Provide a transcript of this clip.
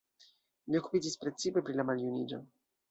Li okupiĝis precipe pri la maljuniĝo.